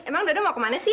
emang dodo mau kemana sih